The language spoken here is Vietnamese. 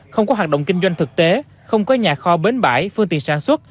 không có hoạt động kinh doanh thực tế không có nhà kho bến bãi phương tiện sản xuất